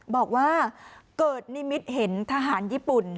บอกว่าเกิดนิมิตเห็นทหารญี่ปุ่น